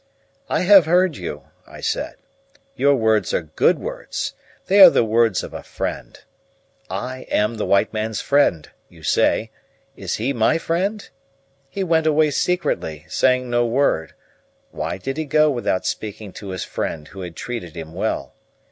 "I have heard you," I said. "Your words are good words. They are the words of a friend. 'I am the white man's friend,' you say; 'is he my friend? He went away secretly, saying no word; why did he go without speaking to his friend who had treated him well?